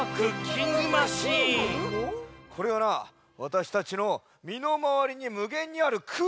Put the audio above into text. これはなわたしたちのみのまわりにむげんにあるくうき！